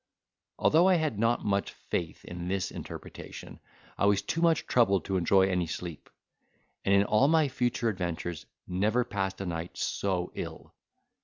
Although I had not much faith in this interpretation, I was too much troubled to enjoy any sleep: and in all my future adventures never passed a night so ill.